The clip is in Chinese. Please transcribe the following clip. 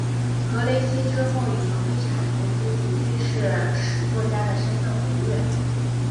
格雷西之后以房地产投资及军事史作家的身分活跃。